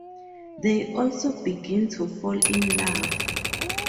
They also begin to fall in love.